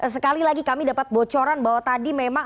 sekali lagi kami dapat bocoran bahwa tadi memang